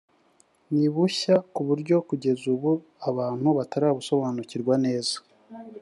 nibushya kuburyo kugeza ubu abantu batarabusobanukirwa neza.